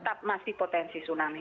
tetap masih potensi tsunami